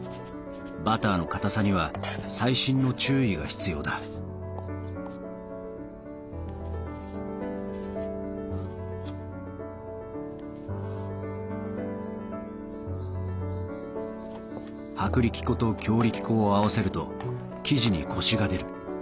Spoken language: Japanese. バターのかたさには細心の注意が必要だ薄力粉と強力粉を合わせると生地にコシが出る。